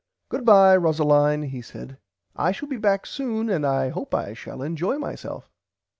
Goodbye Rosalind he said I shall be back soon and I hope I shall enjoy myself.